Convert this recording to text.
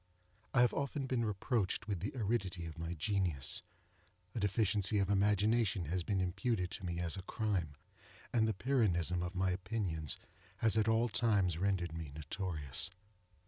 I have often been reproached with the aridity of my genius; a deficiency of imagination has been imputed to me as a crime; and the Pyrrhonism of my opinions has at all times rendered me notorious.